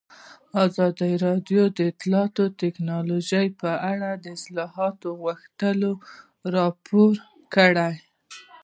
ازادي راډیو د اطلاعاتی تکنالوژي په اړه د اصلاحاتو غوښتنې راپور کړې.